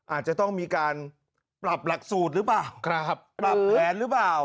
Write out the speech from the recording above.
อาจจะต้องมีการปรับหลักสูตรหรือเปล่าปรับแผนหรือเปล่า